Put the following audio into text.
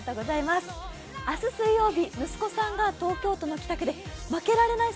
明日水曜日息子さんが東京都の北区で負けられない